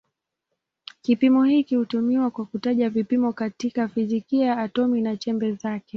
Kipimo hiki hutumiwa kwa kutaja vipimo katika fizikia ya atomi na chembe zake.